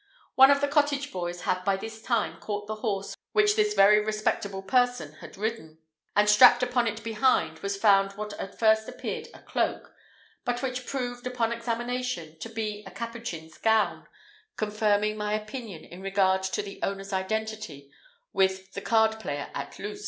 One of the cottage boys had by this time caught the horse which this very respectable person had ridden, and strapped upon it behind was found what at first appeared a cloak, but which proved, upon examination, to be a Capuchin's gown, confirming my opinion in regard to the owner's identity with the card player at Luz.